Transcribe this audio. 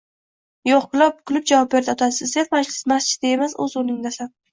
Yo`q, kulib javob berdi otasi, sen masjidda emas, o`z o`rningdasan